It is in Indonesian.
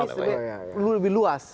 jadi lebih luas